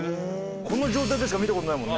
この状態でしか見た事ないもんね。